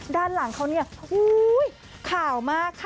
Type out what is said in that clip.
ด้านหลังเขาเนี่ยขาวมากค่ะ